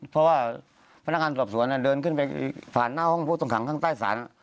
เพราะว่าพนักงานสอบสวนเดินขึ้นไปผ่านหน้าห้องผู้ต้องขังข้างใต้ศาล